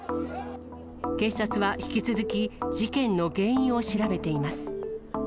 警察は引き続き、事件の原因を調べています。